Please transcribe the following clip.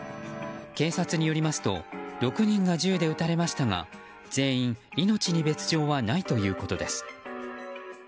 警察によりますと６人が銃で撃たれましたが全員命に別条はないということです。